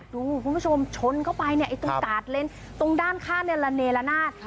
ดูคุณผู้ชมชนเข้าไปเนี่ยตรงตาดเลนตรงด้านข้างเนลนาท